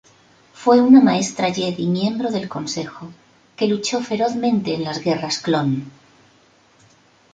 Fue una Maestra Jedi miembro del Consejo que luchó ferozmente en las Guerras Clon.